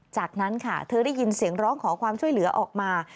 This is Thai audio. จากนั้นค่ะเธอได้ยินเสียงร้องขอความช่วยเหลือออกมา